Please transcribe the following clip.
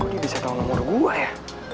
gua udah bisa tahu nomor gua ya